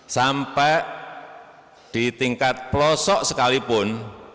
sampai di tingkat pelosok sekalipun